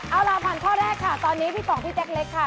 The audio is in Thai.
เอาล่ะผ่านข้อแรกค่ะตอนนี้พี่ป๋องพี่แจ๊กเล็กค่ะ